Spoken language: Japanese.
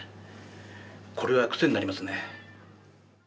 これは癖になりますね。